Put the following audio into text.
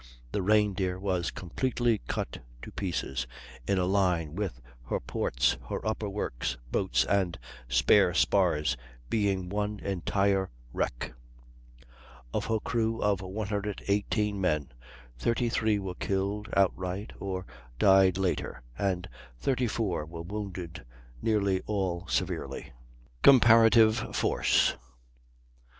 The Reindeer was completely cut to pieces in a line with her ports; her upper works, boats, and spare spars being one entire wreck. Of her crew of 118 men, 33 were killed outright or died later, and 34 were wounded, nearly all severely. COMPARATIVE FORCE.